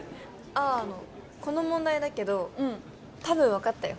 ああのこの問題だけど多分分かったよ